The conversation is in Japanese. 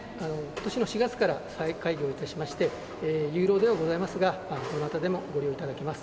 今年の４月から再開業致しまして有料ではございますがどなたでもご利用頂けます。